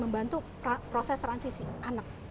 membantu proses transisi anak